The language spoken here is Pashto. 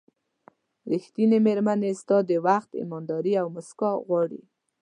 ریښتینې مېرمنې ستاسو وخت، ایمانداري او موسکا غواړي.